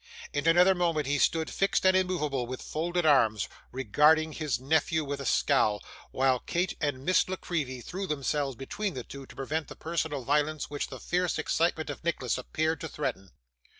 In another moment, he stood, fixed and immovable with folded arms, regarding his nephew with a scowl; while Kate and Miss La Creevy threw themselves between the two, to prevent the personal violence which the fierce excitement of Nicholas appeared to threaten.